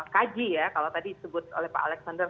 kaji ya kalau tadi disebut oleh pak alexander